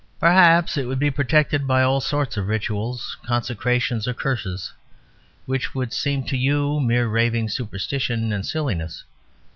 Perhaps it would be protected by all sorts of rituals, consecrations, or curses, which would seem to you mere raving superstition and silliness.